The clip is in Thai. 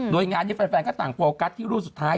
โดยงานนี้แฟนก็ต่างโฟกัสที่รุ่นสุดท้าย